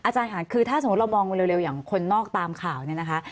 อาจารย์ค่ะคือถ้าสมมุติเรามองเร็วอย่างคนนอกตามข่าวเนี่ยนะคะ